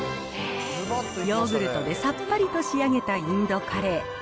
ヨーグルトでさっぱりと仕上げたインドカレー。